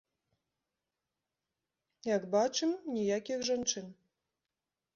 Як бачым, ніякіх жанчын.